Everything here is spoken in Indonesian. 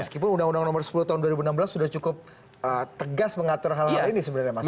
meskipun undang undang nomor sepuluh tahun dua ribu enam belas sudah cukup tegas mengatur hal hal ini sebenarnya mas